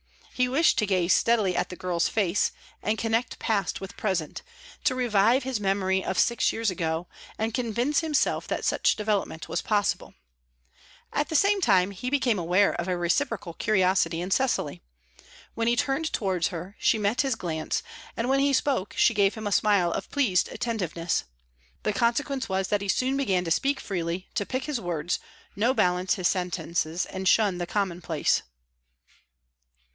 He wished to gaze steadily at the girl's face, and connect past with present; to revive his memory of six years ago, and convince himself that such development was possible. At the same time he became aware of a reciprocal curiosity in Cecily. When he turned towards her she met his glance, and when he spoke she gave him a smile of pleased attentiveness. The consequence was that he soon began to speak freely, to pick his words, no balance his sentences and shun the commonplace.